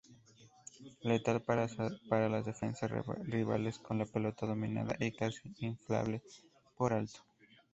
Letal para las defensas rivales con la pelota dominada y casi infalible por alto.